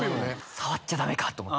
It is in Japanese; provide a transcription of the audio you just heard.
触っちゃ駄目かと思って。